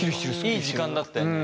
いい時間だったよね。